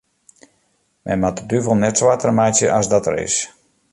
Men moat de duvel net swarter meitsje as dat er is.